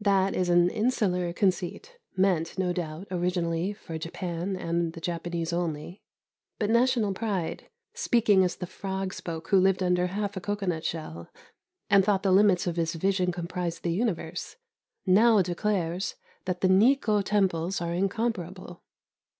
That is an insular conceit, meant, no doubt, originally for Japan and the Japanese only; but national pride speaking as the frog spoke who lived under half a coconut shell, and thought the limits of his vision comprised the universe now declares that the Nikko temples are incomparable.